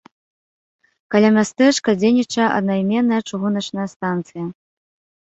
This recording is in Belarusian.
Каля мястэчка дзейнічае аднайменная чыгуначная станцыя.